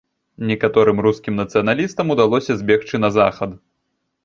Некаторым рускім нацыяналістам удалося збегчы на захад.